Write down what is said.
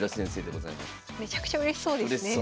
めちゃくちゃうれしそうですね。